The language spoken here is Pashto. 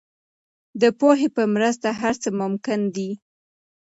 د پوهې په مرسته هر څه ممکن دي.